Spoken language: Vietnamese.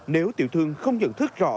nếu tiểu thương không nhận thức rõ